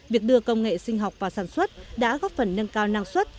việc đưa công nghệ sinh học vào sản xuất đã góp phần nâng cao năng suất